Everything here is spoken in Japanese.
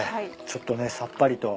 ちょっとねさっぱりと。